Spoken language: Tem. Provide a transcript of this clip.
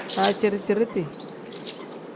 Daciri-ciriti.